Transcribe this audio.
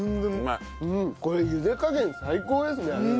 これ茹で加減最高ですね。